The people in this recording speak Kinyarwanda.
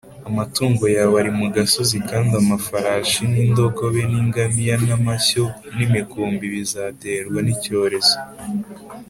amatungo yawe ari mu gasozi Kandi amafarashi n indogobe n ingamiya n amashyo n imikumbi bizaterwa n’icyorezo